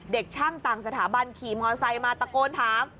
เด็กช่างต่างสถาบันขี่มอไซค์มาตะโกนถาม